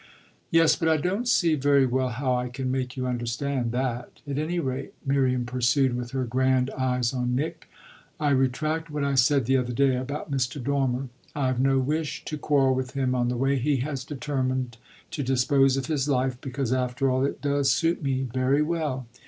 "Yes, but I don't see very well how I can make you understand that. At any rate," Miriam pursued with her grand eyes on Nick, "I retract what I said the other day about Mr. Dormer. I've no wish to quarrel with him on the way he has determined to dispose of his life, because after all it does suit me very well.